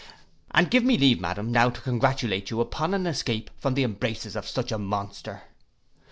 And give me leave, madam, now to congratulate you upon an escape from the embraces of such a monster.